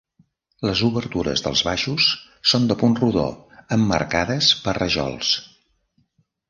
Les obertures dels baixos són de punt rodó, emmarcades per rajols.